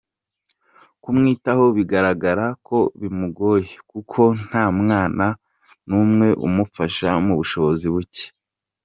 Kumwitaho bigaragara ko bimugoye kuko nta mwana n’umwe umufasha n’ubushobozi buke.